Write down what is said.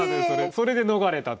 それで逃れたという。